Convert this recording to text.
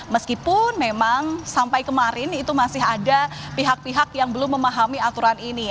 meskipun memang sampai kemarin itu masih ada pihak pihak yang belum memahami aturan ini